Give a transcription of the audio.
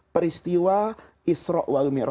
peristiwa isra wal mirra